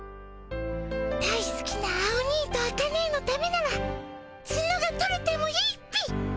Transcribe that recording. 大すきなアオニイとアカネエのためならツノが取れてもいいっピ。